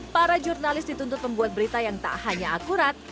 para jurnalis dituntut membuat berita yang tak hanya akurat